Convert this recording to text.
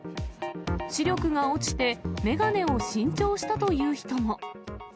視力が落ちて、眼鏡を新調したという人も。